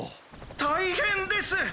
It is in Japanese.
「たいへんです！